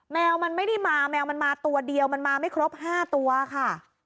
แมวมันไม่ได้มาแมวมันมาตัวเดียวมันมาไม่ครบ๕ตัวค่ะ